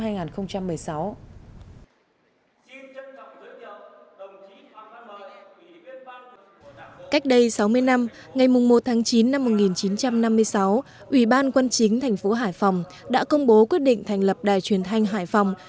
cách đây sáu mươi năm ngày một tháng chín năm một nghìn chín trăm năm mươi sáu ủy ban quân chính thành phố hải phòng đã công bố quyết định thành lập đài truyền thanh hải phòng